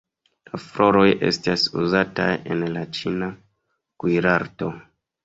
La floroj estas uzataj en la ĉina kuirarto.